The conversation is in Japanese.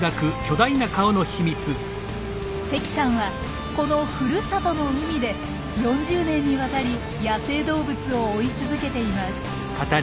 関さんはこのふるさとの海で４０年にわたり野生動物を追い続けています。